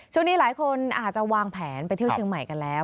ช่วงนี้หลายคนอาจจะวางแผนไปเที่ยวเชียงใหม่กันแล้ว